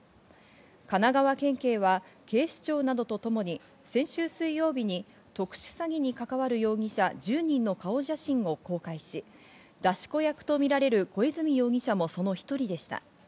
神奈川県警は警視庁などとともに先週水曜日に特殊詐欺に関わる容疑者１０人の顔写真を公開し、出し子役とみられる小泉容疑者もその１人でした。